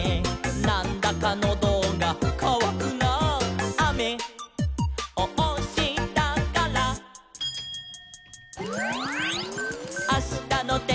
「『なんだかノドがかわくなあ』」「あめをおしたから」「あしたのてんきは」